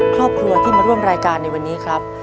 ครอบครัวที่มาร่วมรายการในวันนี้ครับ